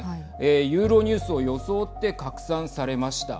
ユーロニュースを装って拡散されました。